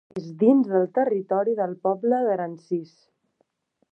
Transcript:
És dins del territori del poble d'Aransís.